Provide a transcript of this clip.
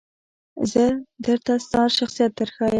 زه درته ستا شخصیت درښایم .